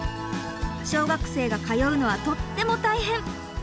小学生が通うのはとっても大変！